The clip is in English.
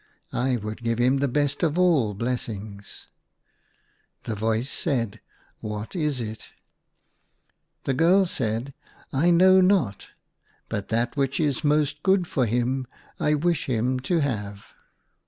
I would give him the best of all blessings." The voice said, " What is it ?" The girl said, " I know not, but that which is most good for him I wish him to have."